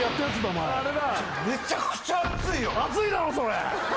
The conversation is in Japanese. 前めちゃくちゃ熱いよ熱いだろそれ